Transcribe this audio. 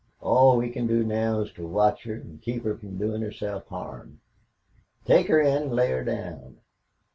All we can do now is to watch her an' keep her from doin' herself harm. Take her in an' lay her down."